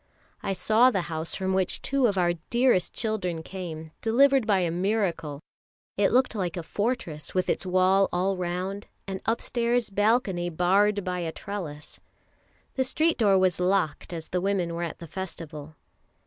I saw the house from which two of our dearest children came, delivered by a miracle; it looked like a fortress with its wall all round, and upstairs balcony barred by a trellis. The street door was locked as the women were at the Festival.